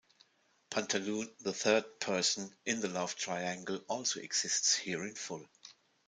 Pantaloon, the third person in the love triangle, also exists here in full.